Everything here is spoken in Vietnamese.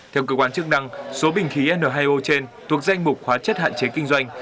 theo cơ quan chức năng số bình khí n hai o trên thuộc danh mục hóa chất hạn chế kinh doanh